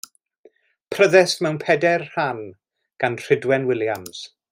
Pryddest mewn pedair rhan gan Rhydwen Williams.